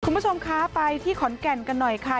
คุณผู้ชมคะไปที่ขอนแก่นกันหน่อยค่ะ